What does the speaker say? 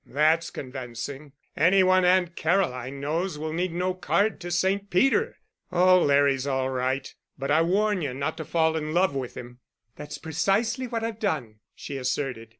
"That's convincing. Any one Aunt Caroline knows will need no card to Saint Peter. Oh, Larry's all right. But I warn you not to fall in love with him." "That's precisely what I've done," she asserted.